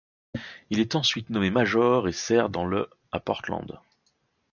Il est ensuite nommé major et sert dans le à Portland.